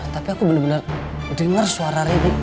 tapi aku benar benar dengar suara rakyat